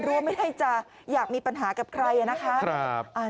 ว่าไม่ได้จะอยากมีปัญหากับใครนะคะ